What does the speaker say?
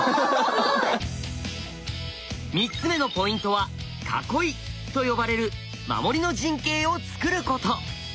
３つ目のポイントは「囲い」と呼ばれる守りの陣形をつくること。